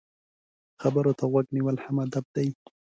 خبرو ته غوږ نیول هم ادب دی.